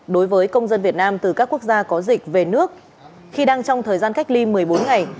đối với công dân việt nam từ các quốc gia có dịch về nước khi đang trong thời gian cách ly một mươi bốn ngày